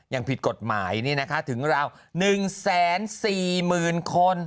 ยังผิดกฎหมายนี่นะคะถึงราว๑๔๐๐๐๐คน